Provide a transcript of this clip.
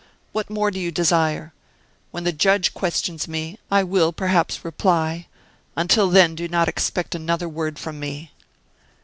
What more do you desire? When the judge questions me, I will, perhaps, reply; until then do not expect another word from me."